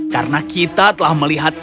karena kita telah melihat